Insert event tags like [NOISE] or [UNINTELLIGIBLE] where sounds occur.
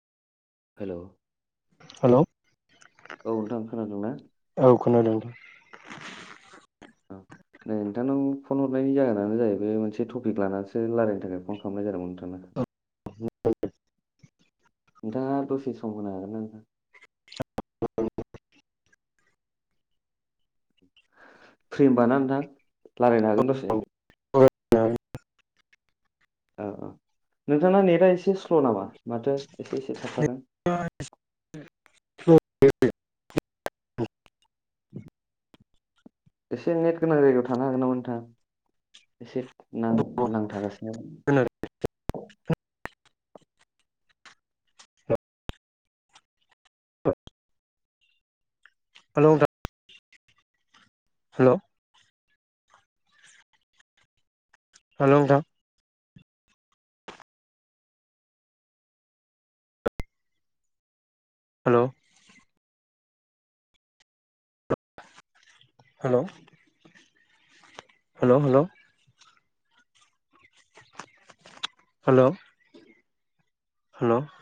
Hello hello औ नोंथां खोनादोंना? औ खोनादों नोथां। औ नै नोंथांनाव फन हरनायनि जाहोनानो जाहैबाय मोनसे टपिक लानानैसो रायलायनो थाखाय फन खालामनाय जादोंमोन नोंथांनाव। [INAUDIBLE] [UNINTELLIGIBLE] नोंथाङा दसे सम होनो हागोनना नोंथां? फ्रि होमबा ना नोंथां रायलायनो हागोन दसे। औ औ नोंथांना नेटआ एसे स्ल नामा माथो एसे एसे थाबथादों। [UNINTELLIGIBLE] एसे नेट गोनां जायगायाव थानो हागोन नामा नोंथां एसे नां नांथागासिनो। हेलौ नोंथां। हेलौ हेलौ नोंथां। हेलौ। हेलौ। हेलौ नोंथां। हेलौ। हेलौ।